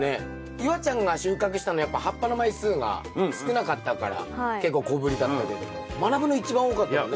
夕空ちゃんが収穫したのはやっぱ葉っぱの枚数が少なかったから結構小ぶりだったけどもまなぶの一番多かったもんね